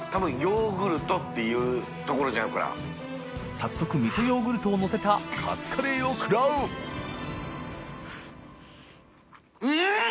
秡畭味噌ヨーグルトをのせたカツカレーを食らう淵船礇鵝うん！